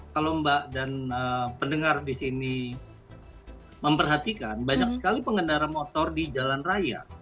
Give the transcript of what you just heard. kalau mbak dan pendengar di sini memperhatikan banyak sekali pengendara motor di jalan raya